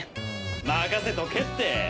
任せとけって！